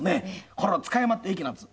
これが塚山っていう駅なんです。